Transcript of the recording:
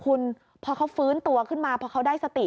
คุณพอเขาฟื้นตัวขึ้นมาพอเขาได้สติ